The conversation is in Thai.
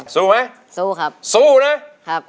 สู้ไหมสู้ครับสู้นะครับ